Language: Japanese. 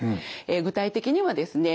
具体的にはですね